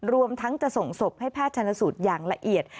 รวมทั้งจะส่งศพให้แพทย์ชนสูตรอย่างละเอียด